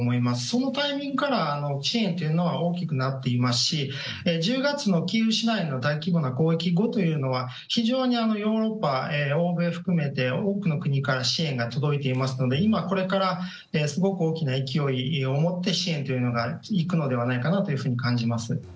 そのタイミングから支援というのは大きくなっていますし１０月のキーウ市内の大規模な攻撃後というのは非常にヨーロッパや欧米含めて多くの国から支援が届いていますので、これからすごく大きな勢いを持って支援というのがいくのではないかと感じます。